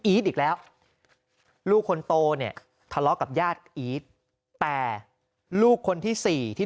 อีกแล้วลูกคนโตเนี่ยทะเลาะกับญาติอีทแต่ลูกคนที่สี่ที่